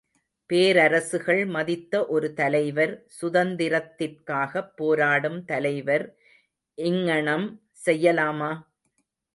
பேரரசுகள் மதித்த ஒரு தலைவர் சுதந்திரத்திற்காகப் போராடும் தலைவர் இங்ஙணம் செய்யலாமா?